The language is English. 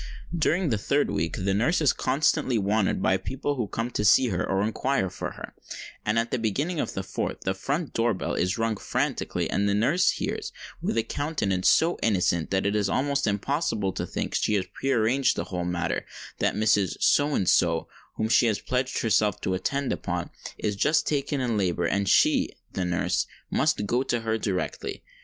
During the third week, the nurse is constantly wanted by people who come to see her, or inquire for her; and at the beginning of the fourth the front door bell is rung frantically, and the nurse hears, with a countenance so innocent that it is almost impossible to think she has pre arranged the whole matter, that Mrs. So and so, whom she has pledged herself to attend upon, is just taken in labour, and she (the nurse) must go to her directly.